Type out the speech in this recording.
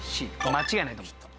間違いないと思う。